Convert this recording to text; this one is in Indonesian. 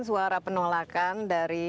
suara penolakan dari